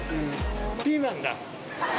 ピーマンだ。